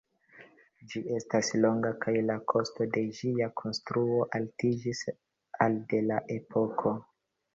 Ĝi estas longa kaj la kosto de ĝia konstruo altiĝis al de la epoko.